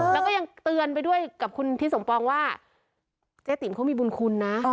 แล้วก็ยังเตือนไปด้วยกับคุณทิศสมปองว่าเจ๊ติ๋มเขามีบุญคุณนะ